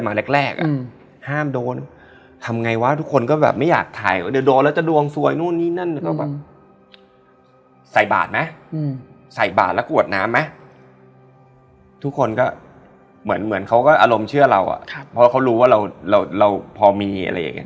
แต่ทั้งหมดทั้งหมดนี้